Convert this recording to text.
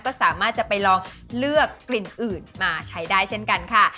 ก็สามารถจะไปลองเลือกกลิ่นอื่นมาใช้ได้เช่นกันค่ะ